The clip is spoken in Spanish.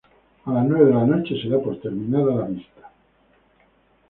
A las nueve de la noche se da por terminada la vista.